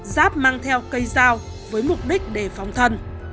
giáp mang theo cây dao với mục đích để phóng thân